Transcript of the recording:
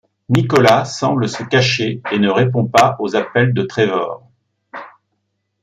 Nicholas semble se cacher et ne répond pas aux appels de Trevor.